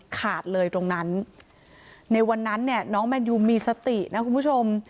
ขาดเลยตรงนั้นในวันนั้นเนี่ยน้องแมนยูมีสตินะคุณผู้ชม